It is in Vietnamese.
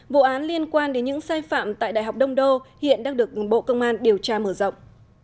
vụ án liên quan đến những sai phạm tại đại học đông đô hiện đang được bộ công an điều tra mở rộng